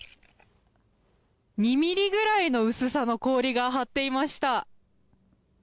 ２ｍｍぐらいの薄さの氷が張っていました。